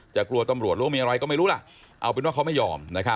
กลัวตำรวจหรือว่ามีอะไรก็ไม่รู้ล่ะเอาเป็นว่าเขาไม่ยอม